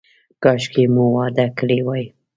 کاشکې مو واده کړی وای.